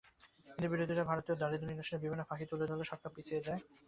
কিন্তু বিরোধীরা ভারতীয় দারিদ্র্য নিরসনের বিভিন্ন ফাঁকি তুলে ধরলে সরকার পিছিয়ে যায়।